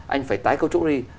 anh phải tái cấu trúc đi